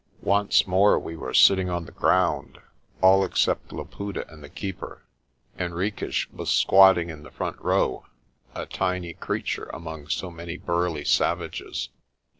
Once more we were sitting on the ground, all except Laputa and the Keeper. Henriques was squatting in the front row, a tiny creature among so many burly savages.